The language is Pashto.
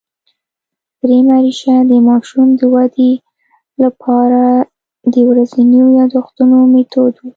درېیمه ریښه د ماشوم د ودې له پاره د ورځينو یادښتونو مېتود وو